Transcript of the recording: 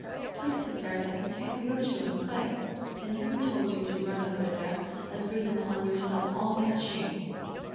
What place is there that you can't go to and play; and who told you to run over there and bring upon yourself all this shame?"